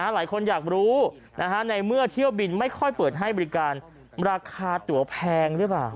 หลายคนอยากรู้ในเมื่อเที่ยวบินไม่ค่อยเปิดให้บริการราคาตัวแพงหรือเปล่า